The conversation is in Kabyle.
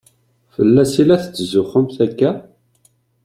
Fell-as i la tetzuxxumt akka?